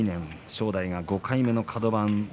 正代が５回目のカド番。